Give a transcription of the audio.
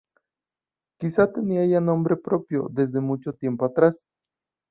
Quizá tenía ya nombre propio desde mucho tiempo atrás.